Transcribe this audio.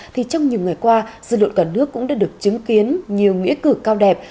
thì trong nhiều ngày qua dư luận cả nước cũng đã được chứng kiến nhiều nghĩa cử cao đẹp